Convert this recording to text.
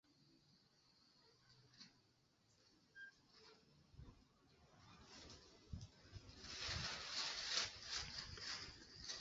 Pawani wakasï niwaka erankwaani.